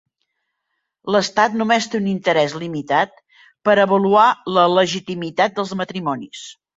L'estat només té un interès limitat per avaluar la legitimitat dels matrimonis.